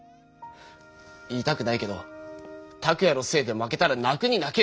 言いたくないけどタクヤのせいで負けたら泣くに泣けないよ！